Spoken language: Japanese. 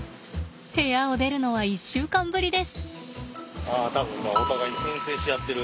部屋を出るのは１週間ぶりです。